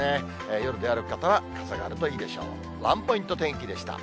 夜出歩く方は傘があるといいでしょう。